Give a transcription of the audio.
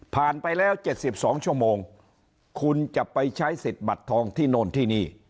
ไปแล้ว๗๒ชั่วโมงคุณจะไปใช้สิทธิ์บัตรทองที่โน่นที่นี่